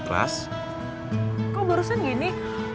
kok barusan gini